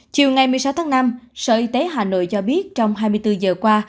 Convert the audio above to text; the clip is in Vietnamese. chiều ngày một mươi sáu tháng năm sở y tế hà nội cho biết trong hai mươi bốn giờ qua